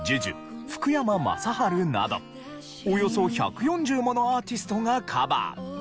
福山雅治などおよそ１４０ものアーティストがカバー。